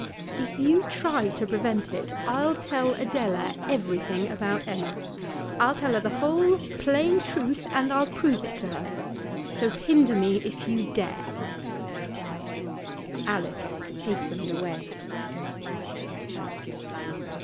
'If you try to prevent it I'll tell Adela everything about Emma I I'll tell her the whole plain truth, and I'll prove it to her. So hinder me if you dare!' Alice hastened away.